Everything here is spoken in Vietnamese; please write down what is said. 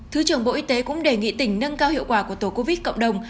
thứ trưởng bộ y tế cũng đề nghị tỉnh nâng cao hiệu quả của tổ covid cộng đồng